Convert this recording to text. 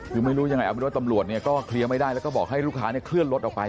คือไม่รู้ยังไงเอาเป็นว่าตำรวจเนี่ยก็เคลียร์ไม่ได้แล้วก็บอกให้ลูกค้าเนี่ยเคลื่อนรถออกไป